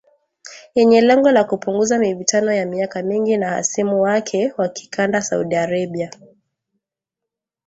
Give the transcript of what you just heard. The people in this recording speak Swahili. yenye lengo la kupunguza mivutano ya miaka mingi na hasimu wake wa kikanda Saudi Arabia